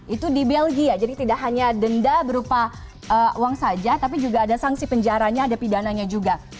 itu di belgia jadi tidak hanya denda berupa uang saja tapi juga ada sanksi penjaranya ada pidananya juga